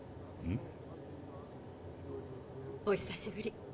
うん？お久しぶり。